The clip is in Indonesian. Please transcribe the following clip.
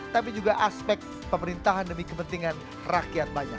tapi juga aspek pemerintahan demi kepentingan rakyat banyak